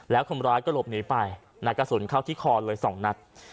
แล้วคนร้ายก็หลบหนีไปในกระสุนเข้าที่คอเลย๒นัด